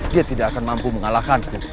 dia tidak akan mampu mengalahkanku